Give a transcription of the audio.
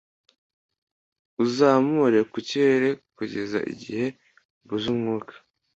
Uzamure mu kirere kugeza igihe mbuze umwuka